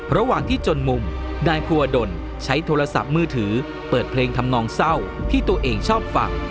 ระหว่างที่จนมุมนายภูวดลใช้โทรศัพท์มือถือเปิดเพลงทำนองเศร้าที่ตัวเองชอบฟัง